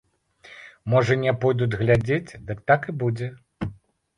Можа, не пойдуць глядзець, дык так і будзе.